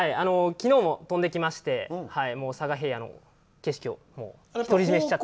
昨日も飛んできまして佐賀平野の景色を独り占めしちゃって。